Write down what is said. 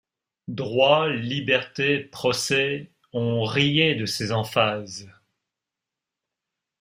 Droit, Liberté, Procès ; on riait de ces emphases.